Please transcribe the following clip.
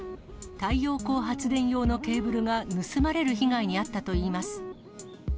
太陽光発電用のケーブルが盗まれる被害に遭ったといいます。